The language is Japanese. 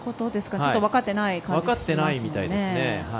ちょっと分かってない感じしますね。